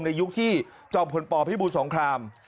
ยุคที่จอมพลปพิบูรสงคราม